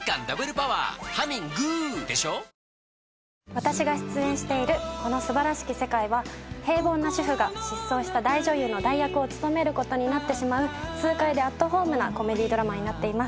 私が出演している『この素晴らしき世界』は平凡な主婦が失踪した大女優の代役を務めることになってしまう痛快でアットホームなコメディードラマになっています。